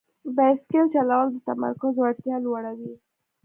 بایسکل چلول د تمرکز وړتیا لوړوي.